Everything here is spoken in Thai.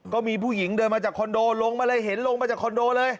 ก็มีผู้หญิงเดินมาจากคอนโดลงมาเลยเห็นลงมาจากคอนโดเลย